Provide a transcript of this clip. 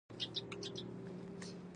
ژبه د عقل نتیجه ده